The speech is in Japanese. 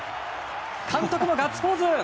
監督もガッツポーズ！